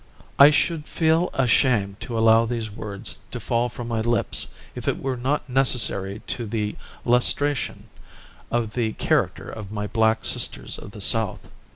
I should feel ashamed to allow these words to fall from my lips if it were not necessary to the lustration of the character of my black sisters of the South.